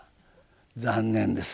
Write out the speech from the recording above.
残念です。